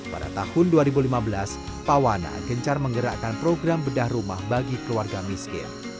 pada tahun dua ribu lima belas pawana gencar menggerakkan program bedah rumah bagi keluarga miskin